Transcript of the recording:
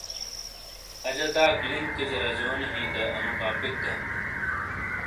اجہ داک لِنکی جہ راجونی ہی دا انو ٹاپک گہ ؟